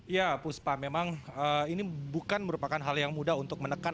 ya puspa memang ini bukan merupakan hal yang mudah untuk menekan